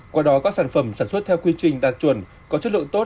qua đó các sản phẩm sản xuất theo quy trình đạt chuẩn có chất lượng tốt